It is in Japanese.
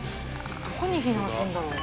「どこに避難するんだろう？」